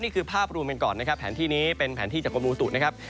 นี่คือภาพรวมกันก่อนนะครับแผนที่นี้เป็นแผนที่จากกรมมูตุนะครับ